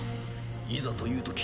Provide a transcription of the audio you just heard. いざというとき